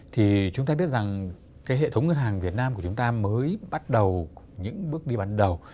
thì chúng ta biết rằng cái hệ thống ngân hàng việt nam của chúng ta mới bắt đầu những bước đi ban đầu